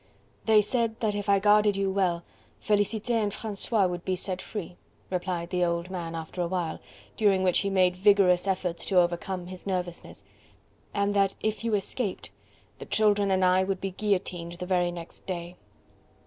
"They said that if I guarded you well, Felicite and Francois would be set free," replied the old man after a while, during which he made vigorous efforts to overcome his nervousness, "and that if you escaped the children and I would be guillotined the very next day."